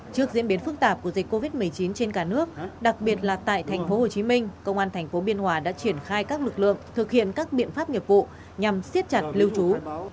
trước diễn biến phức tạp của dịch covid một mươi chín trên cả nước đặc biệt là tại thành phố hồ chí minh công an thành phố biên hòa đã triển khai các lực lượng thực hiện các biện pháp nghiệp vụ nhằm siết chặt lưu trú